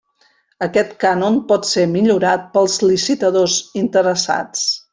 Aquest cànon pot ser millorat pels licitadors interessats.